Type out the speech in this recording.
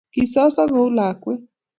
Kisoso kou lakwet